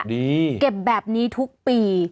เก็บแบบนี้ทุกปี